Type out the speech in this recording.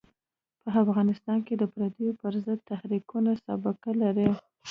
په افغانستان کې د پرديو پر ضد تحریکونه سابقه لري.